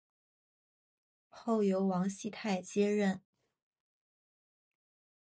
后由王熙泰接任。